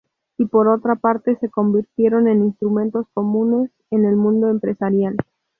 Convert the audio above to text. Y por otra parte se convirtieron en instrumentos comunes en el mundo empresarial.